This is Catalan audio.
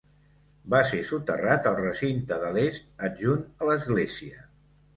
Va ser soterrat al recinte de l'est adjunt a l'església.